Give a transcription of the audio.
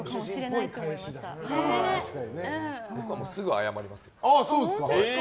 僕は、すぐ謝りますよ。